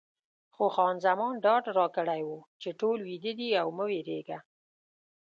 خو خان زمان ډاډ راکړی و چې ټول ویده دي او مه وېرېږه.